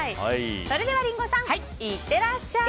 それではリンゴさん行ってらっしゃい！